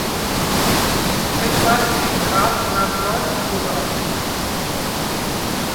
ხეხვა̈რ ხეყხალხ ნაღვაჟ ზურალს.